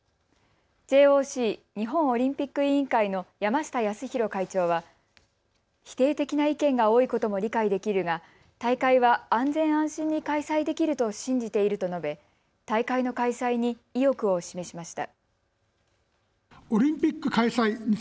ＪＯＣ・日本オリンピック委員会の山下泰裕会長は否定的な意見が多いことも理解できるが大会は安全安心に開催できると信じていると述べ大会の開催に意欲を示しました。